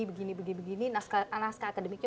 begini begini naskah akademiknya